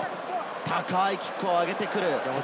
高いキックを上げてくる。